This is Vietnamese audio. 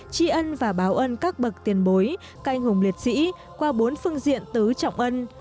tri ân và báo ân các bậc tiền bối canh hùng liệt sĩ qua bốn phương diện tứ trọng ân